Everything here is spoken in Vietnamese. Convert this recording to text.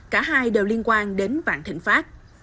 cả hai đều liên quan đến vạn thịnh pháp